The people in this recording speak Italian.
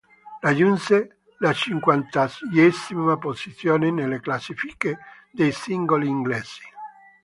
Raggiunse la cinquantaseiesima posizione nelle classifiche dei singoli inglesi.